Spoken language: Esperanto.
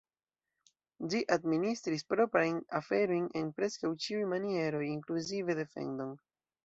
Ĝi administris proprajn aferojn en preskaŭ ĉiuj manieroj, inkluzive defendon.